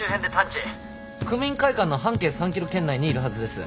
区民会館の半径３ｋｍ圏内にいるはずです。